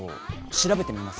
しらべてみます。